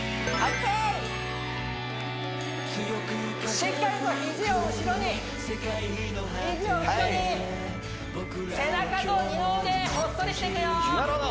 しっかりと肘を後ろに肘を後ろに背中と二の腕ほっそりしていくよなるほど！